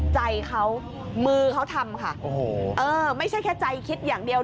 ใจเขามือเขาทำค่ะโอ้โหเออไม่ใช่แค่ใจคิดอย่างเดียว